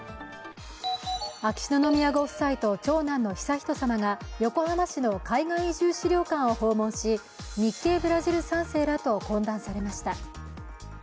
秋篠宮ご夫妻と長男の悠仁さまが横浜市の海外移住資料館を訪問し、日系ブラジル３世らと懇談されました。